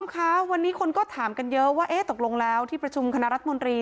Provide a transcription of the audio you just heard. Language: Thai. คุณผู้ชมคะวันนี้คนก็ถามกันเยอะว่าเอ๊ะตกลงแล้วที่ประชุมคณะรัฐมนตรี